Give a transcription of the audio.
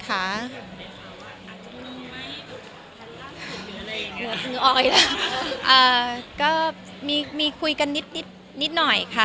อ่าก็มีคุยกันนิดนิดนิดนิดหน่อยค่ะ